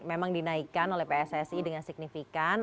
memang dinaikkan oleh pssi dengan signifikan